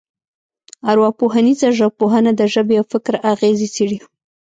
ارواپوهنیزه ژبپوهنه د ژبې او فکر اغېزې څېړي